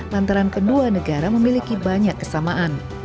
lantaran kedua negara memiliki banyak kesamaan